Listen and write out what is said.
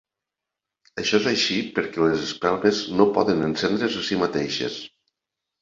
Això és així perquè les espelmes no poden encendre's a si mateixes.